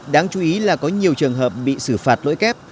đáng chú ý là có nhiều trường hợp bị xử phạt lỗi kép